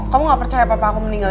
kamu gak percaya papa aku meninggal